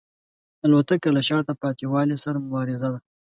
الوتکه له شاته پاتې والي سره مبارزه ده.